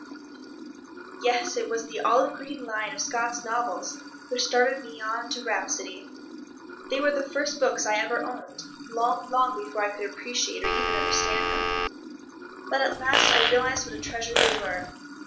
Yes, it was the olive green line of Scott's novels which started me on to rhapsody. They were the first books I ever owned—long, long before I could appreciate or even understand them. But at last I realized what a treasure they were.